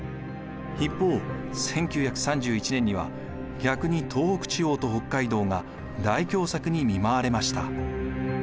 一方１９３１年には逆に東北地方と北海道が大凶作に見舞われました。